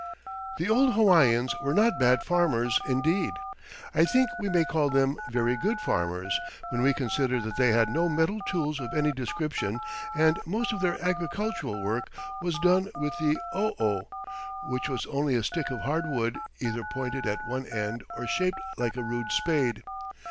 ] The old Hawaiians were not bad farmers, indeed, I think we may call them very good farmers, when we consider that they had no metal tools of any description and most of their agricultural work was done with the o o, which was only a stick of hard wood, either pointed at one end or shaped like a rude spade.